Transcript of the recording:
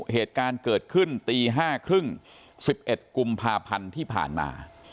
เหตุการณ์เกิดขึ้นตีห้าครึ่งสิบเอ็ดกุมภาพันธ์ที่ผ่านมา